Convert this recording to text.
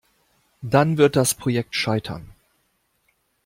Dann wird das Projekt scheitern.